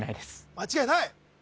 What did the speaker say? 間違いない？